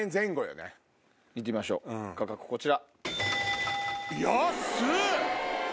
行きましょう価格こちら。